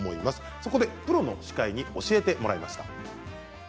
そこでプロの歯科医に教えてもらいました。